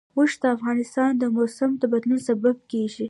اوښ د افغانستان د موسم د بدلون سبب کېږي.